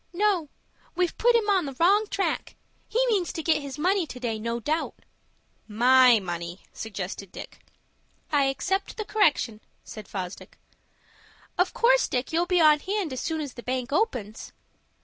"No; we've put him on the wrong track. He means to get his money to day, no doubt." "My money," suggested Dick. "I accept the correction," said Fosdick. "Of course, Dick, you'll be on hand as soon as the bank opens."